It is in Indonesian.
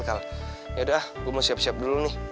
kalau yaudah gue mau siap siap dulu nih